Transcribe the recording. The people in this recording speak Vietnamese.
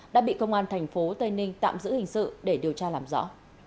đã bị công an thành phố tây ninh tạm giữ hình sự để điều tra làm rõ